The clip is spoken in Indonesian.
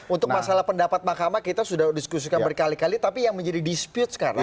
untuk masalah pendapat mahkamah kita sudah diskusikan berkali kali tapi yang menjadi dispute sekarang